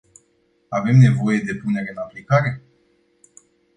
Avem nevoie de punere în aplicare?